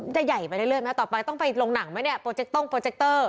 ใหญ่ไปเรื่อยไหมต่อไปต้องไปลงหนังไหมเนี่ยโปรเจคต้งโปรเจคเตอร์